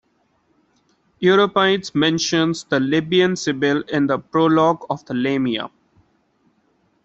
Euripides mentions the Libyan Sibyl in the prologue of the "Lamia".